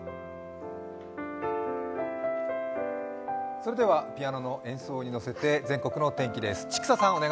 それではピアノの演奏にのせて全国のお天気です。